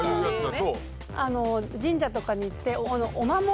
神社とかに行ってお守り。